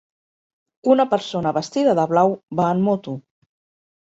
Una persona vestida de blau va en moto.